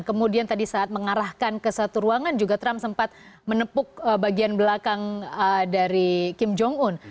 kemudian tadi saat mengarahkan ke satu ruangan juga trump sempat menepuk bagian belakang dari kim jong un